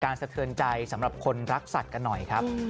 สะเทือนใจสำหรับคนรักสัตว์กันหน่อยครับ